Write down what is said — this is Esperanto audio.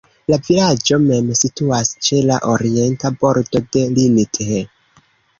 La vilaĝo mem situas ĉe la orienta bordo de Linth.